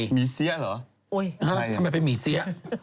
ทำไมเป็นหมีเสี้ย